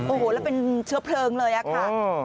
โอ้โหแล้วเป็นเชื้อเพลิงเลยอะค่ะ